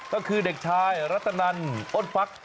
ก็คือเด็กชายรัตนันอ้นฟัก